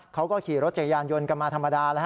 เขาก็ขี่รถจักรยานยนต์กันมาธรรมดาแล้วฮ